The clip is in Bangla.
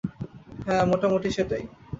হ্যাঁ, মোটামুটি সেটাই।